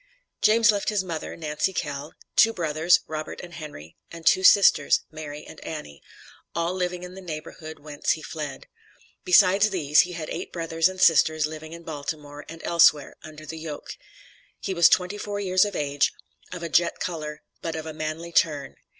James left his mother, Nancy Kell, two brothers, Robert and Henry, and two sisters, Mary and Annie; all living in the neighborhood whence he fled. Besides these, he had eight brothers and sisters living in Baltimore and elsewhere, under the yoke. He was twenty four years of age, of a jet color, but of a manly turn.